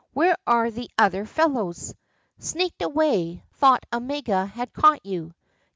Where are the other fellows?" "Sneaked away; thought Omega had caught you."